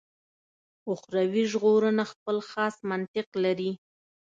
اخروي ژغورنه خپل خاص منطق لري.